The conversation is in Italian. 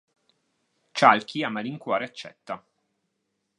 Chalky a malincuore accetta.